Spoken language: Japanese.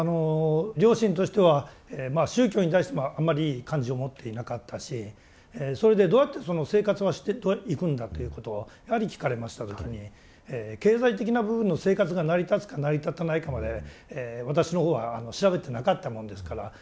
両親としてはまあ宗教に対してもあまりいい感じを持っていなかったしそれでどうやって生活はしていくんだ？ということをやはり聞かれました時に経済的な部分の生活が成り立つか成り立たないかまで私のほうは調べてなかったもんですからうまく答えられない。